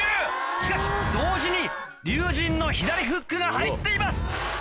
しかし同時に龍心の左フックが入っています！